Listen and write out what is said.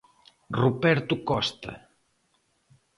Ruperto Costa.